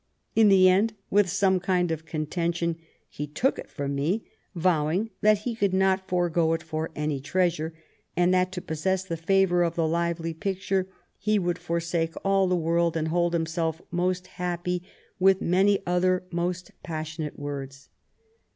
In the end, with some kind of contention, he took it from me, vowing that he could not forego it for any treasure ; and that to possess the favour of the lively picture he would forsake all the world, and hold himself most happy, with many other most passionate words."